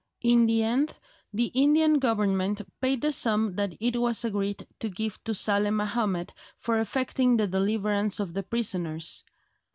In the end the Indian Government paid the sum that it was agreed to give to Saleh Mahomed for effecting the deliverance of the prisoners.